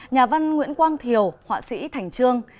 nhà văn nguyễn quang thiều họa sĩ thành trương